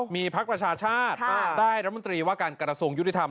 มีพักประชาชาติได้รัฐมนตรีว่าการกระทรวงยุติธรรม